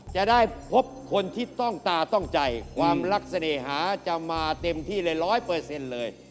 จะได้พบคนที่ต้องตาต้องใจความลักษณะหาจะมาเต็มที่เลย๑๐๐เลย